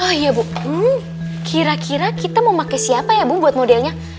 oh iya bu kira kira kita mau pakai siapa ya bu buat modelnya